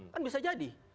kan bisa jadi